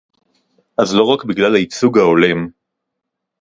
אז לא רק בגלל הייצוג ההולם